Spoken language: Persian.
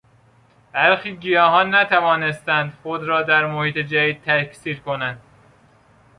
برخی گیاهان نتوانستند خود را در محیط جدید تکثیر کنند.